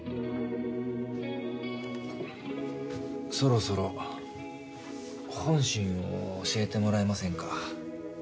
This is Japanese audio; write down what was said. そろそろ本心を教えてもらえませんか？